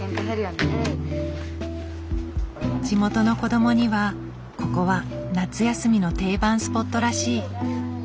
地元の子どもにはここは夏休みの定番スポットらしい。